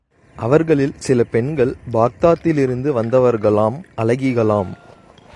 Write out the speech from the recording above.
அவர்களில் சில பெண்கள் பாக்தாதிலிருந்து வந்தவர்களாம், அழகிகளாம்.